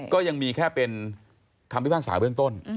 ก็ยังมีแค่เป็นคำพิพากษาเบื้องต้น